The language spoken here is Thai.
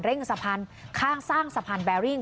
เร่งสะพันธุ์ข้างสร้างสะพันธุ์แบริ่ง